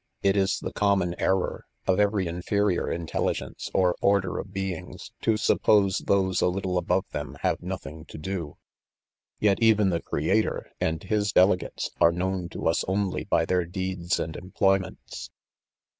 It is the common error of every inferior intelligence,, or order of beings, to suppose those a little above them have nothing to do; jet even the creator and Ms delegates are known to us only by their deeds and employments.